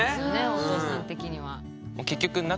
お父さん的には。